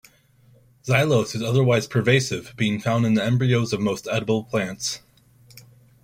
Xylose is otherwise pervasive, being found in the embryos of most edible plants.